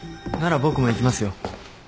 なら僕も行きますよ。